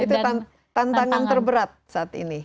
itu tantangan terberat saat ini